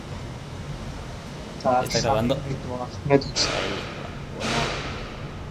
তার স্বামী মৃত আহমেদ হোসেন।